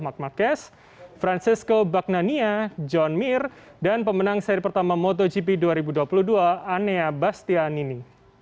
mark marquez francisco bagnania john mir dan pemenang seri pertama motogp dua ribu dua puluh dua annea bastianini